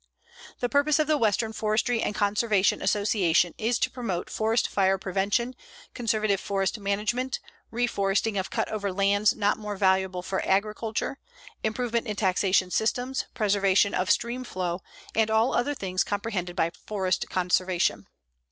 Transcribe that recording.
The purpose of the Western Forestry & Conservation Association is to promote forest fire prevention, conservative forest management, reforesting of cut over lands not more valuable for agriculture, improvement in taxation systems, preservation of stream flow, and all other things comprehended by forest conservation.